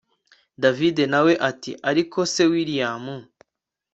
davide nawe ati ariko se william